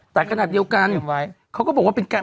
แต่ขนาดเดียวกันเขาก็บอกว่าเป็นการ